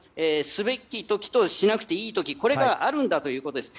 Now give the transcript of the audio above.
すべき時と、しなくていい時これがあるんだということです。